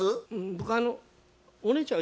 僕あのお姉ちゃん。